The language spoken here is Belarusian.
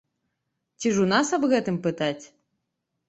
Ці ж у нас аб гэтым пытаць?